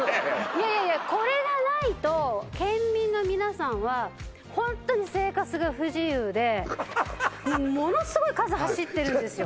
いやいやいやこれがないと県民の皆さんはホントに生活が不自由でものすごい数走ってるんですよ